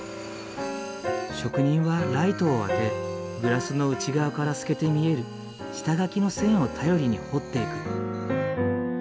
職人はライトを当てグラスの内側から透けて見える下描きの線を頼りに彫っていく。